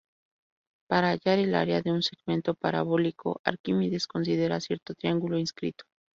Para hallar el área de un segmento parabólico, Arquímedes considera cierto triángulo inscrito.